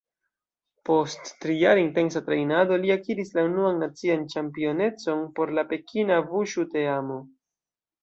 Post trijara intensa trejnado, Li akiris la unuan nacian ĉampionecon por la Pekina vuŝu-teamo.